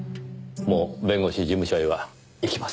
もう弁護士事務所へは行きませんので。